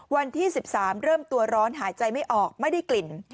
วันที่๑๓เริ่มตัวร้อนหายใจไม่ออกไม่ได้กลิ่น